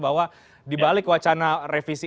bahwa dibalik wacana revisi